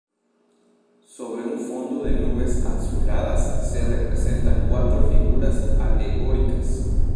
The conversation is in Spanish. Sobre un fondo de nubes azuladas se representan cuatro figuras alegóricas.